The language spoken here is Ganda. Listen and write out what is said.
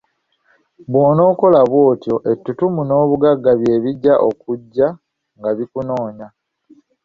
Bw'onaakola bwotyo ettutumu n'obugagga bye bijja okujja nga bikunoonya.